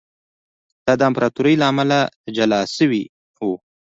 دا د امپراتورۍ له امله له جلا شوی و